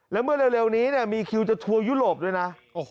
แล้วเมื่อเร็วนี้มีคิวจะทัวร์ยุโรปด้วยนะ